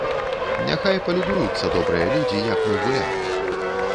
Няхай палюбуюцца добрыя людзі, як мы гуляем.